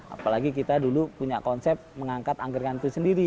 apalagi kita dulu punya konsep mengangkat anggrengan itu sendiri